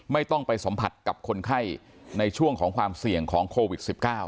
ไม่ต้องไปสัมผัสกับคนไข้ในช่วงของความเสี่ยงของโควิด๑๙